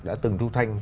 đã từng thu thanh